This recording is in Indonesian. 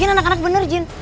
lagian anak anak bener jen